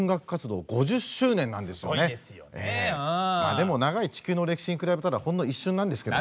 でも長い地球の歴史に比べたらほんの一瞬なんですけどね。